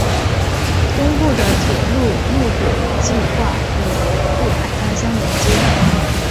东部的铁路路轨计画与北部海滩相联接。